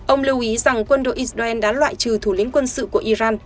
ông lưu ý rằng quân đội israel đã loại trừ thủ lĩnh quân sự của iran